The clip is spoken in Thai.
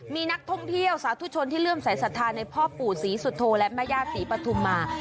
มีนักท่องเที่ยวสาธุชนที่เริ่มสายสัตว์ธานในพ่อปู่สีสุธโทและแม่ญาติปฐุมา